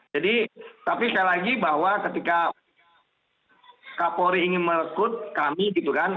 jadi tapi sekali lagi bahwa ketika kapolri ingin merekrut kami gitu kan